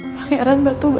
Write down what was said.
pangeran batu bata